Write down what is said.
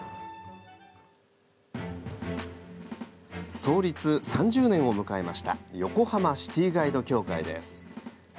創立３０年目を迎えました横浜シティガイド協会です。